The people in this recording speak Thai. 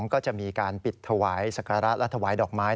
ก็จะมีการปิดถวายสักการะและถวายดอกไม้